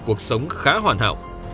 cuộc sống khá hoàn hảo